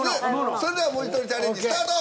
それではもじとりチャレンジスタート！